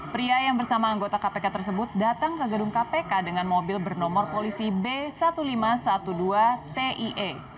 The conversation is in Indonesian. pria yang bersama anggota kpk tersebut datang ke gedung kpk dengan mobil bernomor polisi b seribu lima ratus dua belas tie